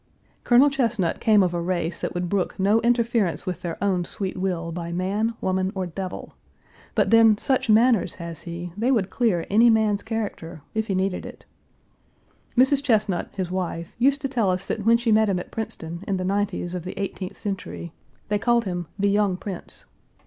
Colonel Chesnut came of a race that would brook no interference with their own sweet will by man, woman, or devil. But then such manners has he, they would clear any man's character, if it needed it. Mrs. Chesnut, his wife, used to tell us that when she met him at Princeton, in the nineties of the eighteenth century, they called him "the Page 392 Young Prince."